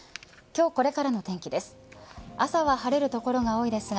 今日これからの天気です。